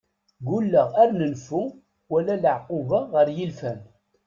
Gulleɣ ar nenfu, wala laɛquba ɣer yilfan.